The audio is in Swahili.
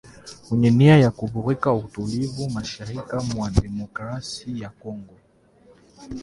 wenye nia ya kuvuruga utulivu mashariki mwa Demokrasia ya Kongo